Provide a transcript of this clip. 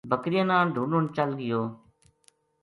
بکریاں نا ڈھُونڈن چل گیو